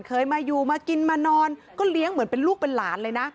เคยมาอยู่มากินมานอนก็เลี้ยงเหมือนเป็นลูกเป็นหลานเลยนะ